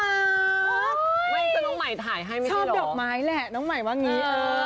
มันจะน้องใหม่ถ่ายให้ไม่ใช่เหรอชอบดอกไม้แหละน้องใหม่ว่างนี้